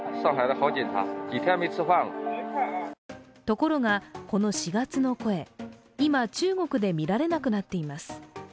ところが、この「四月の声」、今、中国で見られなくなっています